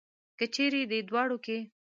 که چېرې دې دواړو کې.